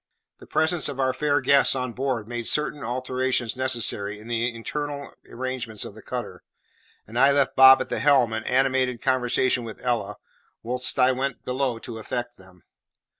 The presence of our fair guest on board made certain alterations necessary in the internal arrangements of the cutter, and I left Bob at the helm in animated conversation with Ella, whilst I went below to effect them.